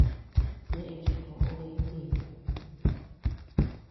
Neʼe chi koʼö di ntiñu.